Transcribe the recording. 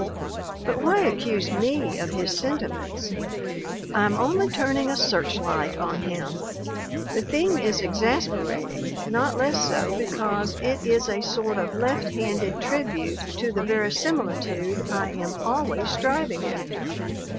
But why accuse me of his sentiments? I'm only turning a searchlight on him. The thing is exasperating, not less so because it is a sort of left handed tribute to the verisimilitude I am always striv ing after.